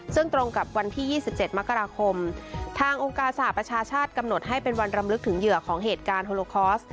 ซึ่งตรงกับวันที่๒๗มกราคมทางองค์การสหประชาชาติกำหนดให้เป็นวันรำลึกถึงเหยื่อของเหตุการณ์โฮโลคอร์ส